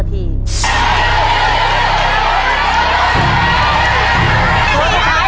ส่วนที่ท้ายเร็วเร็วเร็ว